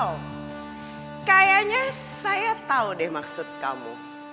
oh kayaknya saya tahu deh maksud kamu